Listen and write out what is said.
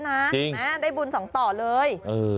ให้ได้บุญสองต่อเลย